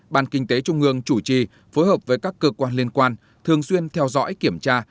ban kinh tế trung ương chủ trì phối hợp với các cơ quan liên quan thường xuyên theo dõi kiểm tra